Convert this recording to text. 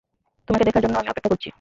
তোমাকে দেখার জন্য আমি অপেক্ষা করছি।